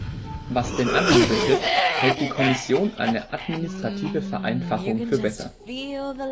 Was den Anhang betrifft, hält die Kommission eine administrative Vereinfachung für besser.